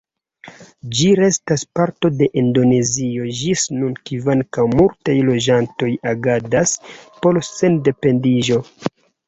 Ĝi restas parto de Indonezio ĝis nun, kvankam multaj loĝantoj agadas por sendependiĝo.